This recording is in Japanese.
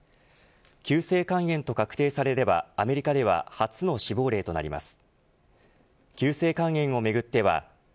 急性肝炎と確定されればアメリカでは初の死亡例となります。